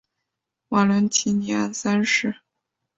瓦伦提尼安三世。